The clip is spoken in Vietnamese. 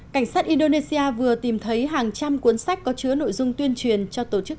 cảnh sát indonesia vừa tìm thấy hàng trăm cuốn sách có chứa nội dung tuyên truyền cho tổ chức